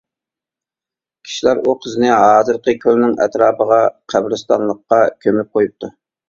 كىشىلەر ئۇ قىزنى ھازىرقى كۆلنىڭ ئەتراپىغا قەبرىستانلىققا كۆمۈپ قويۇپتۇ.